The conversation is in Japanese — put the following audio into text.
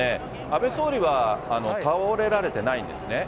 安倍総理は倒れられてないんですね。